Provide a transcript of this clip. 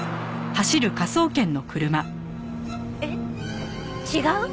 えっ違う！？